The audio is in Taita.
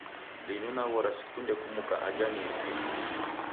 Linu naghora sikunde kumuka aja niendieghe.